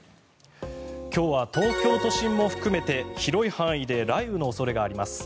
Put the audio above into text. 今日は東京都心も含めて広い範囲で雷雨の恐れがあります。